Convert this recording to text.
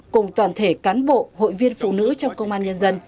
cùng toàn thể cán bộ hội viên phụ nữ trong công an nhân dân